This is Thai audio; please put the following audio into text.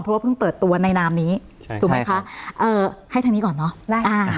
เพราะว่าเพิ่งเปิดตัวในนามนี้ถูกไหมคะเอ่อให้ทางนี้ก่อนเนอะได้อ่า